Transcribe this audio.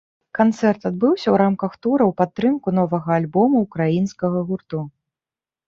Канцэрт адбыўся ў рамках тура ў падтрымку новага альбома ўкраінскага гурту.